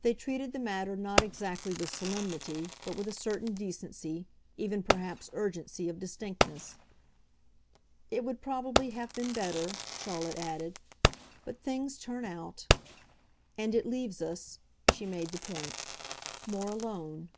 They treated the matter not exactly with solemnity, but with a certain decency, even perhaps urgency, of distinctness. "It would probably have been better," Charlotte added. "But things turn out ! And it leaves us" she made the point "more alone."